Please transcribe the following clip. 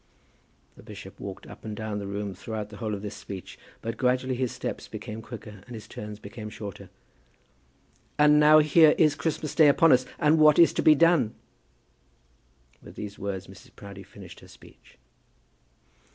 The bishop walked up and down the room throughout the whole of this speech, but gradually his steps became quicker, and his turns became shorter. "And now here is Christmas Day upon us, and what is to be done?" With these words Mrs. Proudie finished her speech.